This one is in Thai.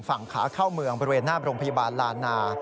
ฝั่งขาเข้าเมืองบริเวณหน้าโรงพยาบาลลานา